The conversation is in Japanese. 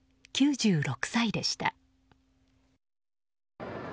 ９６歳でした。